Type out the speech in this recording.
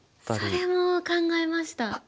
それも考えました。